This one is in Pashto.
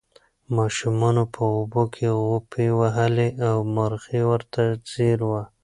ماشومانو په اوبو کې غوپې وهلې او مرغۍ ورته ځیر وه.